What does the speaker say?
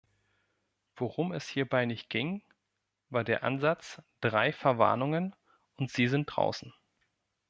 Worum es hierbei nicht ging, war der Ansatz "drei Verwarnungen und Sie sind draußen".